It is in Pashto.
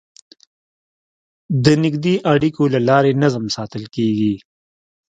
د نږدې اړیکو له لارې نظم ساتل کېږي.